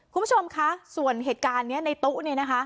คุณผู้ชมคะส่วนเหตุการณ์นี้ในตู้เนี่ยนะคะ